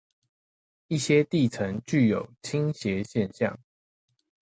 一些地層具有傾斜現象